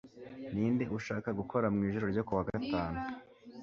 Ninde ushaka gukora mwijoro ryo kuwa gatanu